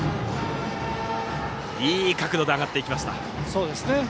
いい角度で上がっていきました。